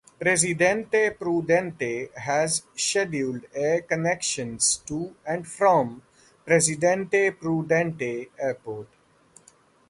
Presidente Prudente has scheduled air connections to and from Presidente Prudente Airport.